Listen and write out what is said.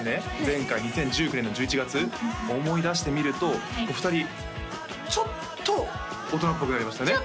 前回２０１９年の１１月思い出してみるとお二人ちょっと大人っぽくなりましたね